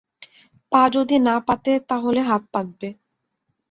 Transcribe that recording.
পা যদি না পাতে তাহলে হাত পাতবে।